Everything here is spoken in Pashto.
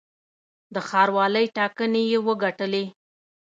د ښاروالۍ ټاکنې یې وګټلې.